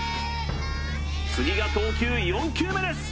次が投球４球目です！